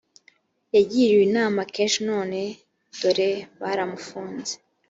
yagiriwe inama kenshi none dore baramufunze